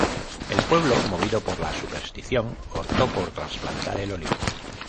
El pueblo movido por la superstición optó por trasplantar el olivo.